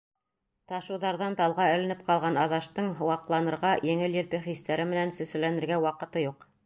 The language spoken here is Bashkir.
Ташыуҙарҙан талға эленеп ҡалған Аҙаштың ваҡланырға, еңел-елпе хистәре менән сөсөләнергә ваҡыты юҡ.